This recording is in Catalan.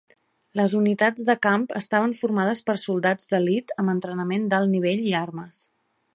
Les unitats de camp estaven formades per soldats d'elit amb entrenament d'alt nivell i armes.